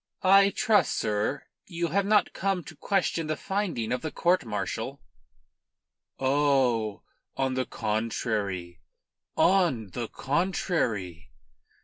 "I trust, sir, you have not come to question the finding of the court martial." "Oh, on the contrary on the contrary!"